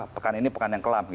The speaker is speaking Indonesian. pekan ini pekan yang kelam